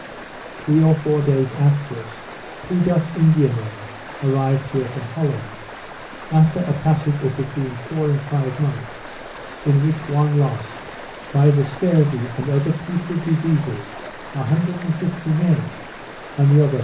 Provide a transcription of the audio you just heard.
Three or four days after us, two Dutch Indiamen arrived here from Holland; after a passage of between four and five months, in which one lost, by the scurvy and other putrid diseases, 150 men, and the other 41.